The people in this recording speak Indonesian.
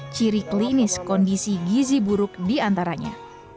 ciri klinis kondisi gizi buruk di antaranya